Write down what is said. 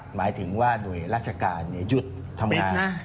หมายถึงว่าหน่วยราชการหยุดทำงาน